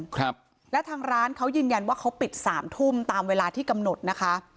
ครับและทางร้านเขายืนยันว่าเขาปิดสามทุ่มตามเวลาที่กำหนดนะคะ